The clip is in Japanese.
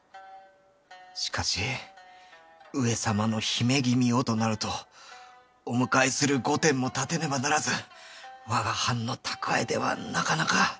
しかし上様の姫君をとなるとお迎えする御殿も建てねばならず我が藩の蓄えではなかなか。